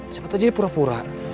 cepat aja deh pura pura